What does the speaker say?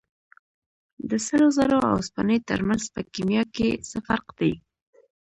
د سرو زرو او اوسپنې ترمنځ په کیمیا کې څه فرق دی